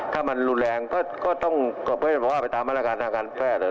ถ้ามันรุนแรงก็ต้องไปตามมาตรการทางการแพทย์